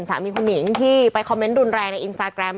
สามีคุณหนิงที่ไปคอมเมนต์รุนแรงในอินสตาแกรม